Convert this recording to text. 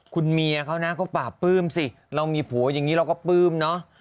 คุณเมียเขานะก็ปราบปลื้มสิเรามีผัวอย่างนี้เราก็ปลื้มเนอะ